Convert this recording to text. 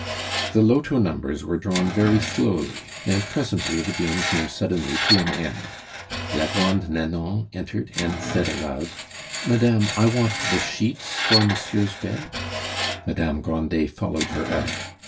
The loto numbers were drawn very slowly, and presently the game came suddenly to an end. La Grand Nanon entered and said aloud: "Madame, I want the sheets for monsieur's bed." Madame Grandet followed her out.